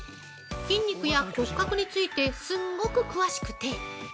筋肉や骨格についてすっごく詳しくて。